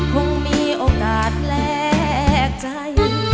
คงมีโอกาสแปลกใจ